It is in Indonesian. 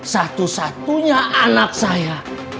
satu satunya anak saya